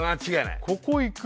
ここいく？